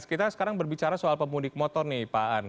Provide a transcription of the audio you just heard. sekarang kita berbicara soal pemudik motor nih pak an